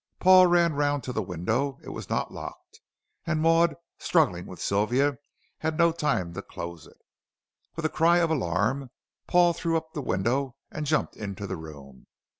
Paul ran round to the window. It was not locked, and Maud, struggling with Sylvia had no time to close it. With a cry of alarm Paul threw up the window and jumped into the room.